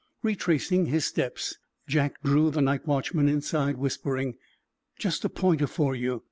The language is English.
Retracing his steps, Jack drew the night watchman inside, whispering: "Just a pointer for you.